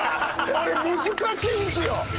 あれ難しいんですよ。